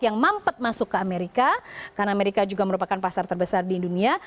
yang mampet masuk ke amerika karena amerika juga merupakan pasar terbesar di dunia